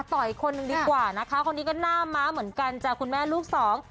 ต่ออีกคนนึงดีกว่านะคะคนนี้ก็หน้าม้าเหมือนกันจ้ะคุณแม่ลูกสอง